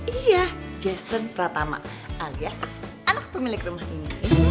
iya jason pratama alias anak pemilik rumah ini